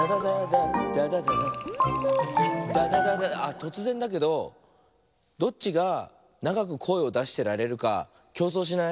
とつぜんだけどどっちがながくこえをだしてられるかきょうそうしない？